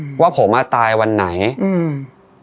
ว่าผมอ่ะตายวันไหนอืม